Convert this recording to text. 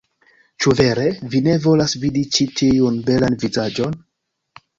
Ĉu vere? Vi ne volas vidi ĉi tiun belan vizaĝon?